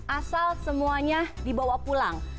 asal semuanya dibawa pulang